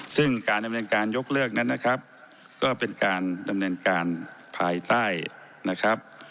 ซึ่งการดำเนินการยกเลิกนั้นนะครับก็เป็นการดำเนินการภายใต้นะครับ